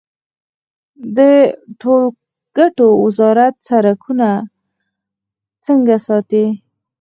د ټولګټو وزارت سړکونه څنګه ساتي؟